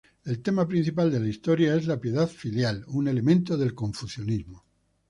El tema principal de la historia es la piedad filial, un elemento del confucianismo.